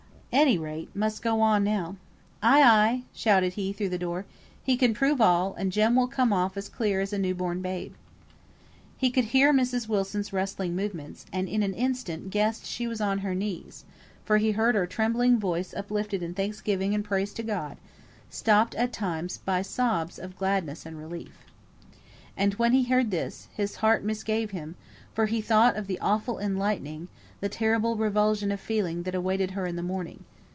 Any rate, I must go on now. Ay, ay," shouted he, through the door. "He can prove all; and Jem will come off as clear as a new born babe." He could hear Mrs. Wilson's rustling movements, and in an instant guessed she was on her knees, for he heard her trembling voice uplifted in thanksgiving and praise to God, stopped at times by sobs of gladness and relief. And when he heard this, his heart misgave him; for he thought of the awful enlightening, the terrible revulsion of feeling that awaited her in the morning.